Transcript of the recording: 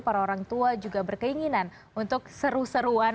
para orang tua juga berkeinginan untuk seru seruan